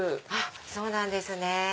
そうなんですね。